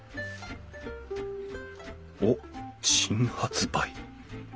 おっ新発売